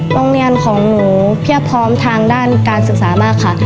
โรงเรียนของหนูเพียบพร้อมทางด้านการศึกษามากค่ะ